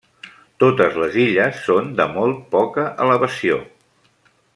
Totes les illes són de molt poca elevació.